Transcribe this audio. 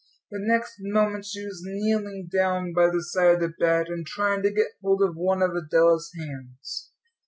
The next moment she was kneeling down by the side of the bed, and trying to get hold of one of Adela's hands.